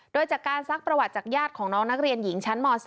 โดยจากการซักประวัติจากญาติของน้องนักเรียนหญิงชั้นม๔